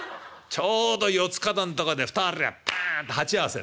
ちょうど四つ角のとこで２人でパンと鉢合わせだよ。